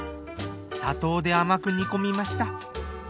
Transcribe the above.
砂糖で甘く煮込みました。